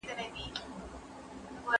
حکومت باید هغوی ته سزا ورکړي.